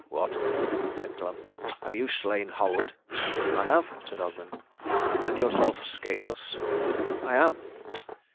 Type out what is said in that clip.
"What," said Glum, "have you slain Halward?" "I have," said Ogmund. "And yourself scatheless?" "I am."